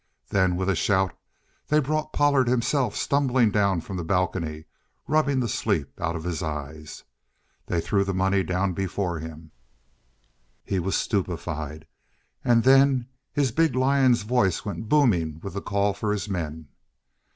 Then, with a shout, they brought Pollard himself stumbling down from the balcony rubbing the sleep out of his eyes. They threw the money down before him. He was stupefied, and then his big lion's voice went booming with the call for his men.